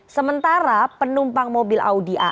sementara penumpang mobil audi